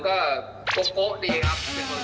แต่ละเรื่อง